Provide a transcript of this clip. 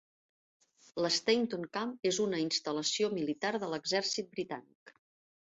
L'Stainton Camp és una instal·lació militar de l'Exèrcit Britànic.